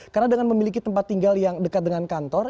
karena dengan memiliki tempat tinggal yang dekat dengan kantor